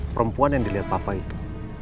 perempuan yang dilihat papa itu